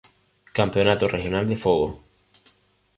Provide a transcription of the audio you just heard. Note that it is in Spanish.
Campeonato regional de Fogo